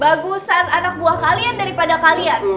bagusan anak buah kalian daripada kalian